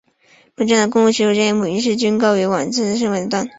本站的公共洗手间以及母婴室均设于往高增方向的一端。